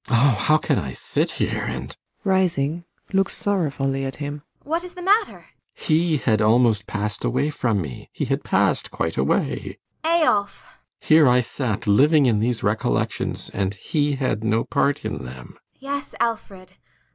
] Oh, how can I sit here and ASTA. [Rising, looks sorrowfully at him.] What is the matter? ALLMERS. He had almost passed away from me. He had passed quite away. ASTA. Eyolf! ALLMERS. Here I sat, living in these recollections and he had no part in them.